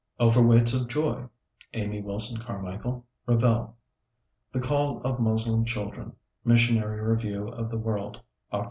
Overweights of Joy, Amy Wilson Carmichael, (Revell.) The Call of Moslem Children, Missionary Review of the World, Oct.